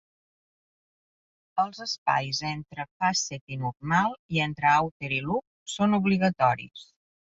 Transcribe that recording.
Els espais entre "facet" i "normal" i entre "outer" i "loop" són obligatoris.